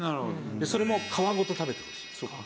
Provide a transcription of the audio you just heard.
それも皮ごと食べてほしい。